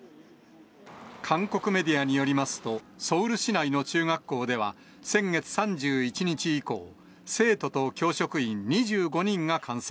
韓国メディアによりますと、ソウル市内の中学校では、先月３１日以降、生徒と教職員２５人が感染。